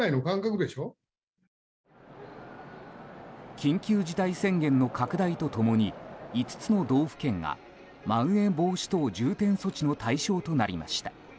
緊急事態宣言の拡大と共に５つの道府県がまん延防止等重点措置の対象となりました。